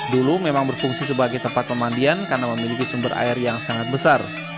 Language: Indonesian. dulu memang berfungsi sebagai tempat pemandian karena memiliki sumber air yang sangat besar